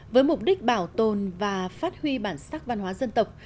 với mục đích bảo tồn và phát huy bản sắc văn hóa dân tộc